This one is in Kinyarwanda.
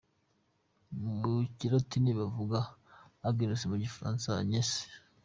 Mu kilatini bavuga Agnus, mu gifaransa ni Agnès.